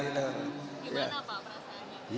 gimana pak perasaannya